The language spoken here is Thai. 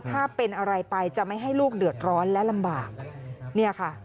ถ้าเป็นอะไรไปจะไม่ให้ลูกเดือดร้อนและลำบากเนี่ยค่ะ